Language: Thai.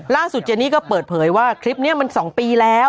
ล่าสุดเจ้านี้ก็เปิดเผยว่าคลิปนี้มัน๒ปีแล้ว